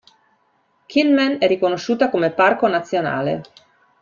Kinmen è riconosciuta come parco nazionale.